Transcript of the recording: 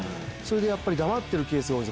黙ってるケースが多いんです。